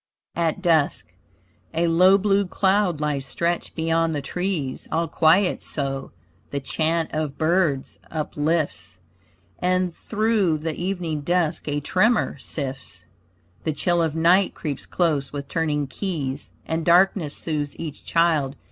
AT DUSK A low blue cloud lies stretched beyond the trees, All quiet so. The chant of birds uplifts, And through the evening dusk a tremor sifts, The chill of night creeps close with turning keys, And darkness soothes each child.